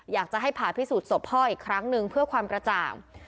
อยากจะให้ผ่าพิสูจนศพพ่ออีกครั้งหนึ่งเพื่อความกระจ่าง